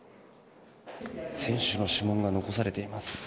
選手の指紋が残されています。